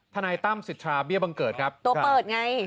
ทนายตั้มสิทธาเบี้ยบังเกิดครับตัวเปิดไง